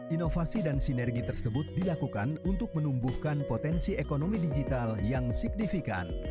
inovasi dan sinergi tersebut dilakukan untuk menumbuhkan potensi ekonomi digital yang signifikan